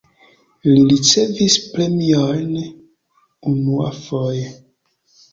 Li ricevis premiojn unuafoje.